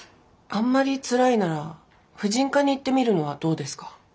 あんまりつらいなら婦人科に行ってみるのはどうですか？